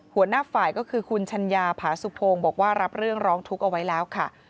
หัวหน้าฝ่ายก็คือคุณชัญญาผาสุพงศ์บอกว่ารับเรื่องร้องทุกข์เอาไว้แล้วค่ะ